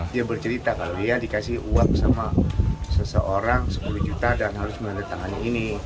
dia bercerita kalau dia dikasih uang sama seseorang sepuluh juta dan harus menandatangani ini